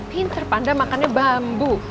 pintar panda makannya bambu